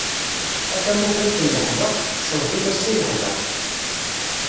A tamuqint n leḥbeq, cceḍḥ-im ass-a yeḥdeq.